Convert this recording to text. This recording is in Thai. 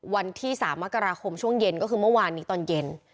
วันที่๓มกราคมช่วงเย็นก็คือเมื่อวานนี้ตอนเย็น